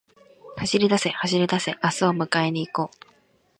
走りだせ、走りだせ、明日を迎えに行こう